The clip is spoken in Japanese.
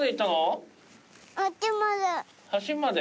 あっちまで？